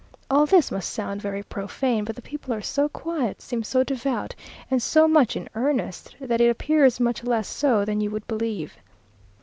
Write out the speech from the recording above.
All this must sound very profane, but the people are so quiet, seem so devout, and so much in earnest, that it appears much less so than you would believe....